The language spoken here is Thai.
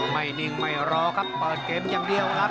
นิ่งไม่รอครับเปิดเกมอย่างเดียวครับ